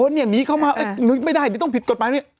นี่หนีเข้ามาไม่ได้ต้องผิดกฎหมาย